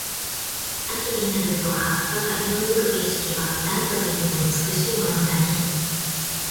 秋になると葉っぱが色付く景色は、何度見ても美しいものだね。